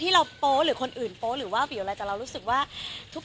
ไม่อยากร้องขนาดนี้อร่อยใจเรื่องมือ